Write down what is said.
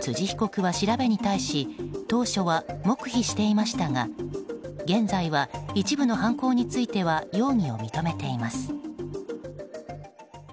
辻被告は調べに対し当初は黙秘していましたが現在は一部の犯行については容疑を認めています。